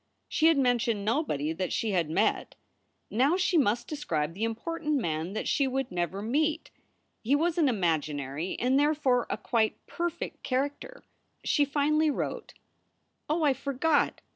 She had mentioned nobody that she had met. Now she must describe the important man that she would never meet. He was an imaginary, and therefore a quite perfect, charac ter. She finally wrote: Oh, I forgot!